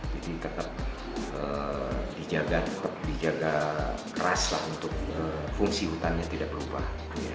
jadi tetap dijaga keras untuk fungsi hutannya tidak berubah